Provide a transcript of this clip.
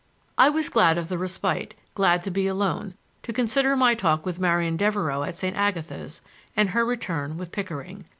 I was glad of the respite, glad to be alone,—to consider my talk with Marian Devereux at St. Agatha's, and her return with Pickering.